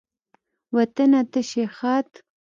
وطنه ته شي ښاد